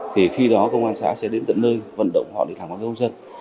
thì khi đó công an xã sẽ đến tận nơi vận động họ để làm báo công dân